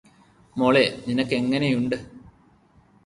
മോളെ നിനക്കെങ്ങനെയുണ്ട്